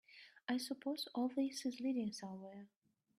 I suppose all this is leading somewhere?